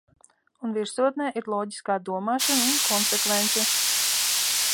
Un virsotnē ir loģiskā domāšana un konsekvence.